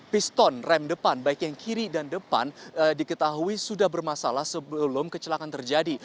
piston rem depan baik yang kiri dan depan diketahui sudah bermasalah sebelum kecelakaan terjadi